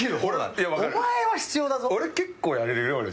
いやお前は必要だ。